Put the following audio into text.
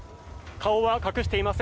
顔は隠していません。